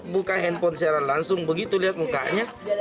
buka handphone secara langsung begitu lihat mukanya